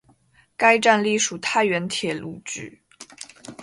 该站隶属太原铁路局。